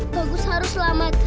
bagus harus selamat